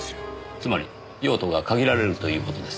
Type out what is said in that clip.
つまり用途が限られるという事です。